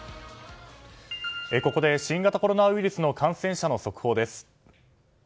ここで新型コロナウイルスの感染者の速報です。